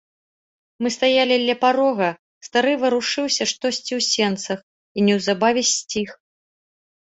Мы стаялі ля парога, стары варушыўся штосьці ў сенцах і неўзабаве сціх.